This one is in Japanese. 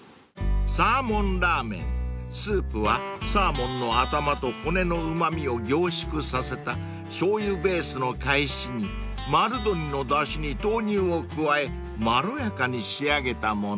［サーモンラーメンスープはサーモンの頭と骨のうま味を凝縮させたしょうゆベースのかえしに丸鶏のだしに豆乳を加えまろやかに仕上げたもの］